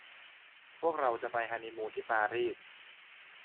พวกเราจะไปฮันนีมูนที่ปารีส